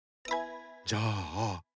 じゃあ。